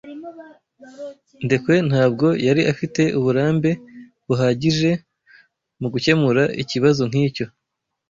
Ndekwe ntabwo yari afite uburambe buhagije mugukemura ikibazo nkicyo.